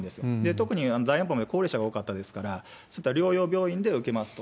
特に第４波で高齢者が多かったですから、療養病院で受けますと。